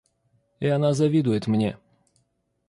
И она завидует мне.